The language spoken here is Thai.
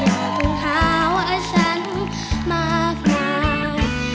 อยากห่วงหาว่าแฟนมากงาน